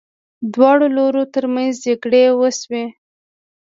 دواړو لورو ترمنځ جګړې وشوې.